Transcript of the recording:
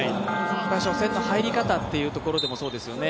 初戦の入り方っていうところもそうですよね。